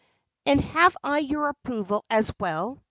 "And have I your approval as well?"